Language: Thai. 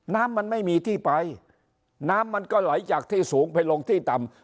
น้ำมันไม่มีที่ไปน้ำมันก็ไหลจากที่สูงไปลงที่ต่ำ